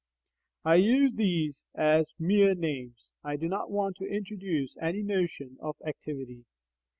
* I use these as mere names; I do not want to introduce any notion of "activity."